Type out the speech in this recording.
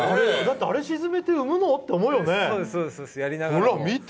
あれ沈めて産むの？って思うもんね。